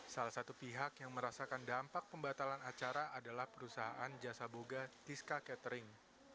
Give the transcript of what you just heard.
salah satu pihak yang merasakan dampak pembatalan acara adalah perusahaan jasa boga tiska catering